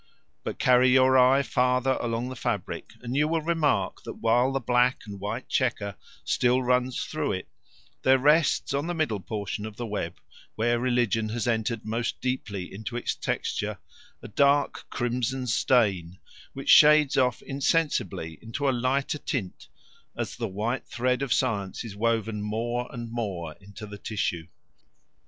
But carry your eye farther along the fabric and you will remark that, while the black and white chequer still runs through it, there rests on the middle portion of the web, where religion has entered most deeply into its texture, a dark crimson stain, which shades off insensibly into a lighter tint as the white thread of science is woven more and more into the tissue.